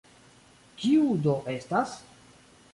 Kiu do estas?